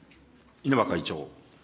稲葉会長。